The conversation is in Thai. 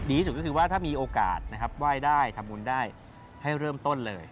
ที่สุดก็คือว่าถ้ามีโอกาสนะครับไหว้ได้ทำบุญได้ให้เริ่มต้นเลย